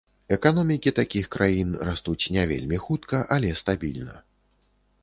Эканомікі такіх краін растуць не вельмі хутка, але стабільна.